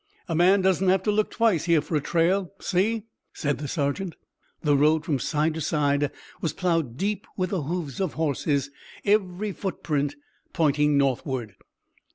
"A man doesn't have to look twice here for a trail. See," said the sergeant. The road from side to side was plowed deep with the hoofs of horses, every footprint pointing northward.